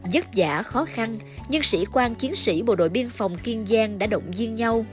dất dã khó khăn nhưng sĩ quan chiến sĩ bộ đội biên phòng kiên giang đã động viên nhau